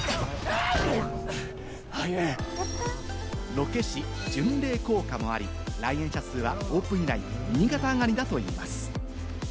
ロケ地巡礼効果もあり、来園者数はオープン以来、右肩上がりだといいます。